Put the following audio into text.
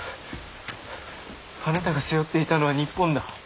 あなたが背負っていたのは日本だ。